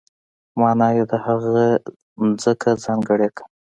معنا یې ده هغه ځمکه ځانګړې کړه.